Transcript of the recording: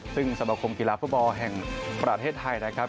ซึ่งสมคมกีฬาฟุตบอลแห่งประเทศไทยนะครับ